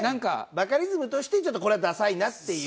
バカリズムとしてちょっとこれはダサいなっていう。